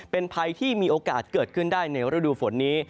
เป็นภัยที่มีโอกาสเกิดขึ้นได้ในฤดูฝนนี้